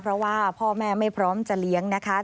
เพราะว่าพ่อแม่ไม่พร้อมจะเลี้ยงนะคะ